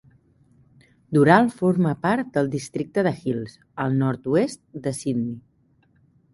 Dural forma part del districte de Hills, al nord-oest de Sydney.